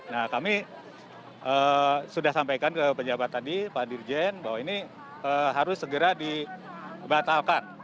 nah kami sudah sampaikan ke pejabat tadi pak dirjen bahwa ini harus segera dibatalkan